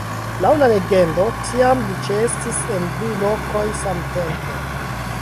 Laŭ la legendo, tiam li ĉeestis en du lokoj samtempe.